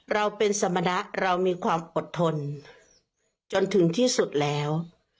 เราเป็นสมณะเรามีความอดทนจนถึงที่สุดแล้ว